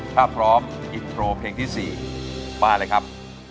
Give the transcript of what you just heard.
ถ้าพร้อมอินโทรเพลงที่๔มาเลยครับ